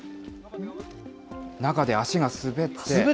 中で足が滑って。